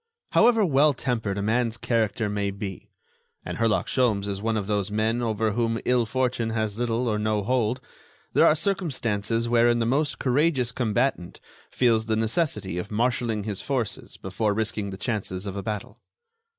However well tempered a man's character may be—and Herlock Sholmes is one of those men over whom ill fortune has little or no hold—there are circumstances wherein the most courageous combatant feels the necessity of marshaling his forces before risking the chances of a battle.